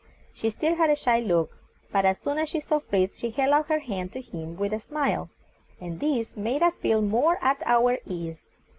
She still had a shy look, but as soon as she saw Fritz she held out her hand to him with a smile, and this made us feel more at our ease.